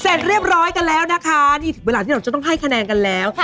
เสร็จเรียบร้อยกันแล้วนะคะนี่ถึงเวลาที่เราจะต้องให้คะแนนกันแล้ว